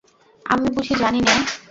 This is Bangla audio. আমি বুঝি জানি নে?